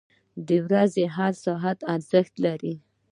• د ورځې هر ساعت ارزښت لري.